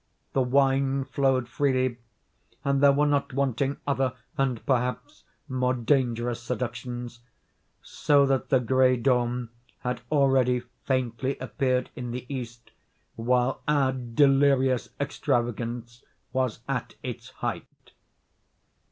The wine flowed freely, and there were not wanting other and perhaps more dangerous seductions; so that the gray dawn had already faintly appeared in the east, while our delirious extravagance was at its height.